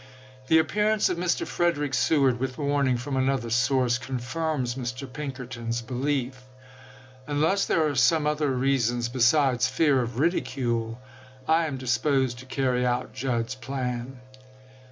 The appearance of Mr. Frederick Seward, with warning from another source, confirms Mr. Pinker ton's belief. Unless there are some other reasons besides fear of ridicule, I am disposed to carry out Judd's plan."